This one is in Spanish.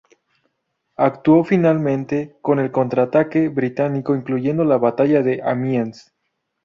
Actuó finalmente en el contraataque británico, incluyendo la Batalla de Amiens.